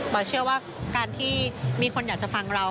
เชื่อว่าการที่มีคนอยากจะฟังเรา